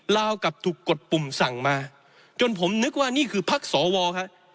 ลาวกลับถูกกดปุ่มสั่งมาจนผมนึกว่านี่คือพักสวครับ